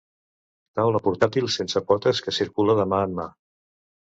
Taula portàtil sense potes que circula de mà en mà.